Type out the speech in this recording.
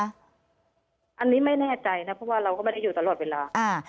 อันนี้ไม่แน่ใจนะเพราะว่าเราก็ไม่ได้อยู่ตลอดเวลา